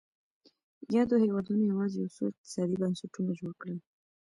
یادو هېوادونو یوازې یو څو اقتصادي بنسټونه جوړ کړل.